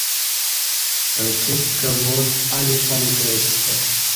پعڅوک کں واٹ الی پلو تعیسہ